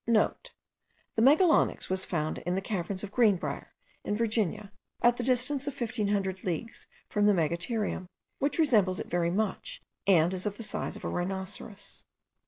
(* The megalonyx was found in the caverns of Green Briar, in Virginia, at the distance of 1500 leagues from the megatherium, which resembles it very much, and is of the size of the rhinoceros.)